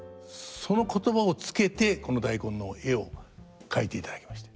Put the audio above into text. その言葉をつけてこの大根の絵を描いていただきました。